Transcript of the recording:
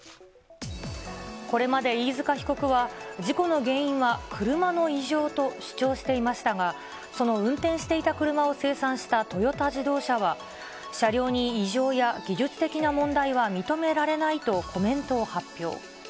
これまで飯塚被告は、事故の原因は車の異常と主張していましたが、その運転していた車を生産したトヨタ自動車は、車両に異常や技術的な問題は認められないとコメントを発表。